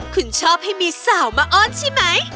คุณชอบให้มีสาวมาอ้อนใช่ไหม